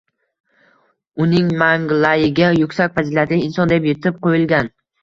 Uning manglayiga yuksak fazilatli inson deb bitib qoʻyilgan.